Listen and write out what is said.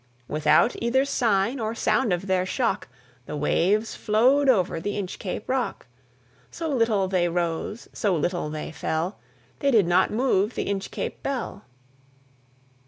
Without either sign or sound of their shock, The waves flowed over the Inchcape Rock; So little they rose, so little they fell, They did not move the Inchcape Bell.